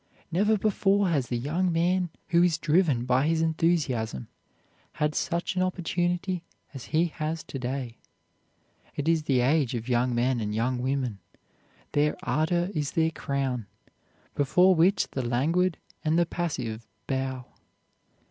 Never before has the young man, who is driven by his enthusiasm, had such an opportunity as he has to day. It is the age of young men and young women. Their ardor is their crown, before which the languid and the passive bow.